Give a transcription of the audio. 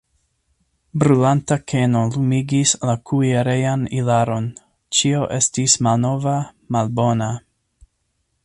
Brulanta keno lumigis la kuirejan ilaron, ĉio estis malnova, malbona.